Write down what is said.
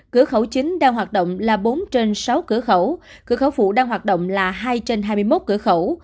cửa khẩu chính đang hoạt động là bốn trên sáu cửa khẩu cửa khẩu phụ đang hoạt động là hai trên hai mươi một cửa khẩu